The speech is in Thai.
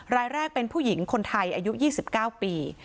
รายแรกเป็นผู้หญิงคนไทยอายุ๒๙ปี